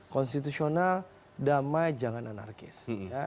konstitusional damai jangan anarkis